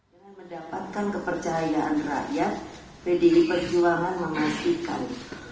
dengan mendapatkan kepercayaan rakyat pdi perjuangan memastikan